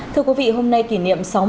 thưa quý vị hôm nay kỷ niệm sáu mươi